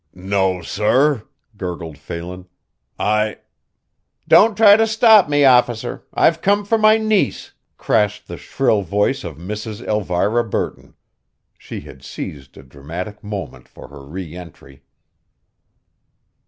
"No, sorr," gurgled Phelan, "I" "Don't try to stop me, officer, I've come for my niece," crashed the shrill voice of Mrs. Elvira Burton. She had seized a dramatic moment for her re entry.